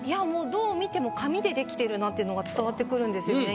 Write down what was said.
どう見ても紙でできてるなっていうのが伝わってくるんですよね。